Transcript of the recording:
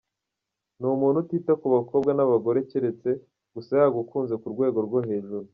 Ni umuntu utita ku bakobwa n’abagore keretse gusa yagukunze ku rwego rwo hejuru.